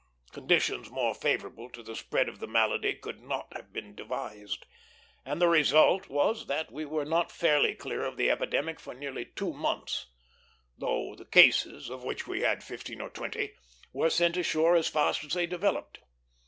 Conditions more favorable for the spread of the malady could not have been devised, and the result was that we were not fairly clear of the epidemic for nearly two months, though the cases, of which we had fifteen or twenty, were sent ashore as fast as they developed.